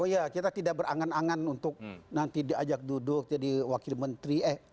oh ya kita tidak berangan angan untuk nanti diajak duduk jadi wakil menteri eh